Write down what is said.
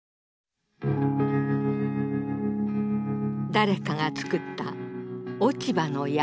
誰かが作った落ち葉の山。